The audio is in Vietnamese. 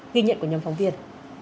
ghi nhận của nhóm phóng viên